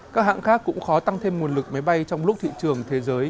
các hãng khác cũng khó tăng thêm nguồn lực máy bay trong lúc thị trường thế giới